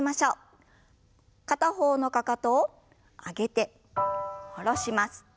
片方のかかとを上げて下ろします。